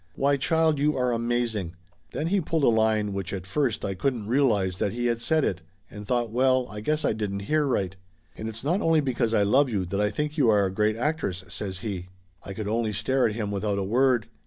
"Why, child, you are amaz ing!" Then he pulled a line which at first I couldn't realize that he had said it, and thought well, I guess I didn't hear right. "And it's not only because I love you that I think you are a great actress," says he. I could only stare at him without a word.